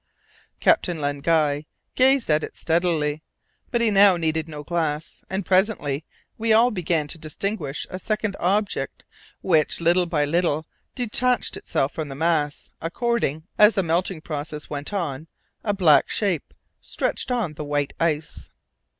Captain Len Guy gazed at it steadily, but he now needed no glass, and presently we all began to distinguish a second object which little by little detached itself from the mass, according as the melting process went on a black shape, stretched on the white ice.